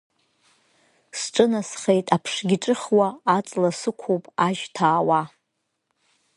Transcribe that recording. Сҿынасхеит аԥшгьы ҿыхуа, аҵла сықәуп ажь ҭаауа.